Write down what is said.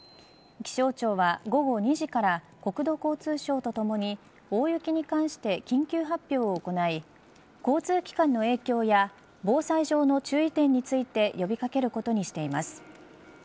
気象庁は午後２時から国土交通省と共に大雪に関して緊急発表を行い交通機関への影響や防災上の注意点について呼びかけることにしています。